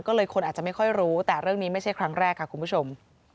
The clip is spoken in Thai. ก็เลยคนอาจจะไม่ค่อยรู้แต่เรื่องนี้ไม่ใช่ครั้งแรกค่ะคุณผู้ชม